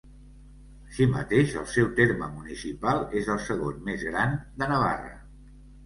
Així mateix, el seu terme municipal és el segon més gran de Navarra.